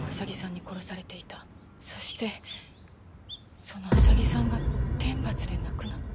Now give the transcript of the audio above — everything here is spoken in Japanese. そしてその浅木さんが天罰で亡くなった。